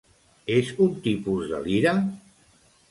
És un tipus de lira?